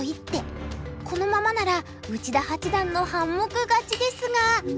このままなら内田八段の半目勝ちですが。